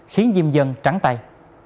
khiến diêm dân trắng tay